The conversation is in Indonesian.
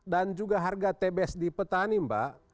dan juga harga tbs di petani mbak